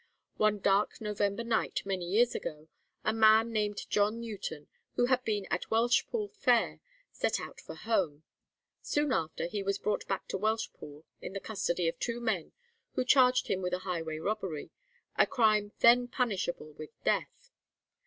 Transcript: One dark November night, many years ago, a man named John Newton, who had been at Welshpool fair, set out for home. Soon after, he was brought back to Welshpool in the custody of two men, who charged him with highway robbery, a crime then punishable with death.